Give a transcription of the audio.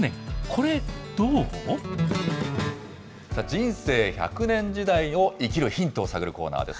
人生１００年時代を生きるヒントを探るコーナーです。